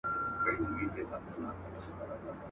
د پيشو په مخكي زوره ور نه پردى سي.